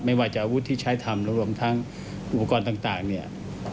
ไม่ว่าจะอาวุธที่ใช้ทำรวมทั้งอุปกรณ์ต่างเนี่ย